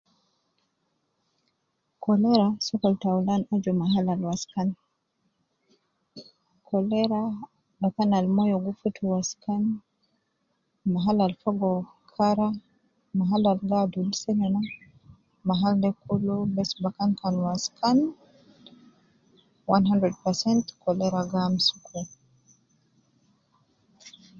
Cholera sokol taulan aju mahal al waskan, cholera bakan al moyo gi futu waskan ,mahal al fogo kara, mahal al gi adul seme ma ,mahal de kulu bes bakan kan waskan,100% cholera gi amsuku